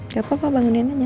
gapapa bangunin aja